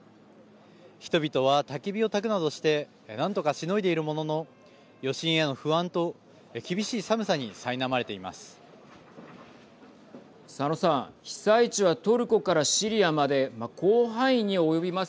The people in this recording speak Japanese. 人々はたき火をたくなどして何とかしのいでいるものの余震への不安と厳しい寒さにさいなまれています。